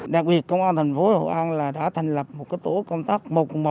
đặc biệt công an thành phố hồ an đã thành lập một tổ công tác một một